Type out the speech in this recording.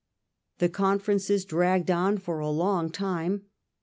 The conferences dragged on for a long time.